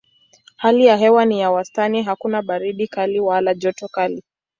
Hali ya hewa ni ya wastani hakuna baridi kali wala joto kali.